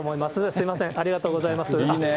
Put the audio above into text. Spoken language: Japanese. すみません、ありがとうございます。